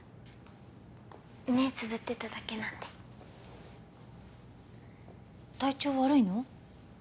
目つぶってただけなんで体調悪いの？